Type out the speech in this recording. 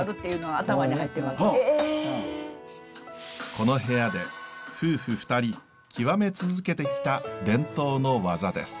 この部屋で夫婦２人極め続けてきた伝統の技です。